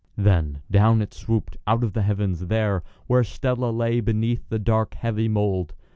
Then down it swooped out of the heavens, there, where Stella lay beneath the dark heavy mould.